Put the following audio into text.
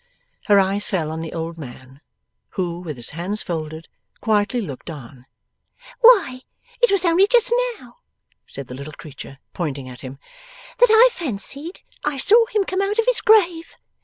Her eyes fell on the old man, who, with his hands folded, quietly looked on. 'Why it was only just now,' said the little creature, pointing at him, 'that I fancied I saw him come out of his grave!